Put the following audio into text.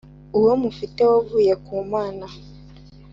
uwo mufite wavuye ku Mana?